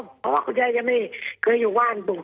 เพราะว่าคุณยายยังไม่เคยอยู่บ้านอยู่